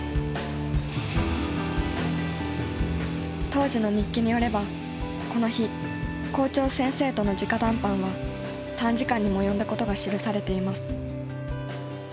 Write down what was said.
当時の日記によればこの日校長先生との直談判は３時間にも及んだことが記されています。